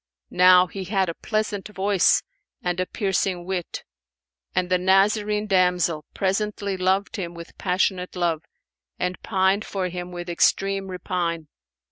Now he had a pleasant voice and a piercing wit; and the Nazarene damsel presently loved him with passionate love and pined for him with extreme repine.